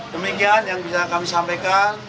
demikian yang bisa kami sampaikan